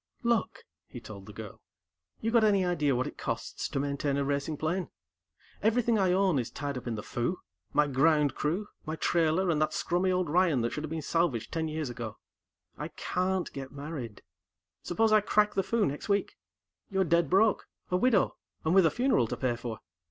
"Look," he told the girl, "You got any idea of what it costs to maintain a racing plane? Everything I own is tied up in the Foo, my ground crew, my trailer, and that scrummy old Ryan that should have been salvaged ten years ago. I can't get married. Suppose I crack the Foo next week? You're dead broke, a widow, and with a funeral to pay for.